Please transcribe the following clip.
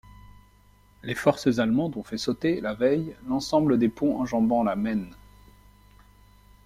Les forces allemandes ont fait sauter, la veille, l'ensemble des ponts enjambant la Maine.